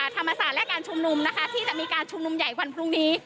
ธรรมศาสตร์และการชุมนุมนะคะที่จะมีการชุมนุมใหญ่วันพรุ่งนี้